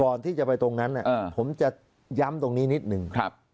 ก่อนที่จะไปตรงนั้นผมจะย้ำตรงนี้นิดนึง